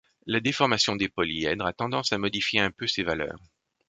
La déformation des polyèdres a tendance à modifier un peu ces valeurs.